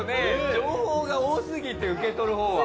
情報が多すぎて受け取る方は。